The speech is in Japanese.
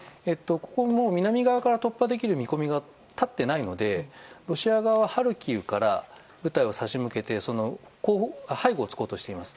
南側から突破できる見込みが立っていないのでロシア側はハルキウから部隊を差し向けて背後を突こうとしています。